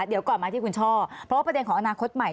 เดี๋ยวก่อนมาที่คุณช่อเพราะว่าประเด็นของอนาคตใหม่